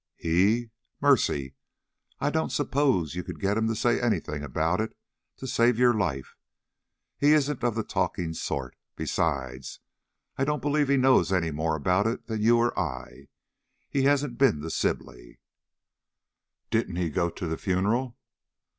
"He? Mercy! I don't suppose you could get him to say anything about it to save your life. He isn't of the talking sort. Besides, I don't believe he knows any more about it than you or I. He hasn't been to Sibley." "Didn't he go to the funeral?"